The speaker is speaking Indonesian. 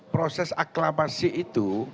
proses aklamasi itu